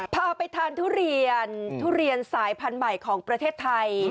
พาไปทานทุเรียนทุเรียนสายพันธุ์ใหม่ของประเทศไทย